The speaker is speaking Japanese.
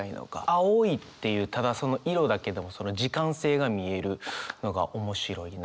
青いっていうただその色だけでもその時間性が見えるのが面白いなと。